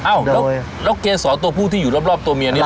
แล้วเกษรตัวผู้ที่อยู่รอบตัวเมียนี่แหละ